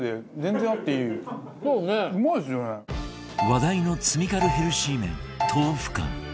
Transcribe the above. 話題の罪軽ヘルシー麺豆腐干